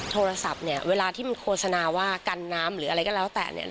โทรศัพท์เนี่ยเวลาที่มันโฆษณาว่ากันน้ำหรืออะไรก็แล้วแต่เนี่ย